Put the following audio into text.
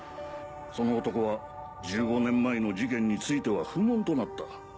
その男は１５年前の事件については不問となった。